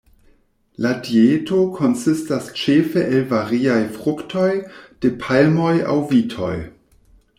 La dieto konsistas ĉefe el variaj fruktoj, de palmoj aŭ vitoj.